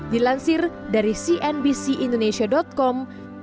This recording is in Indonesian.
dilansir dari cnbc indonesia com